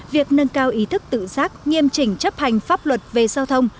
việc nâng cao ý thức tự giác nghiêm chỉnh chấp hành pháp luật về giao thông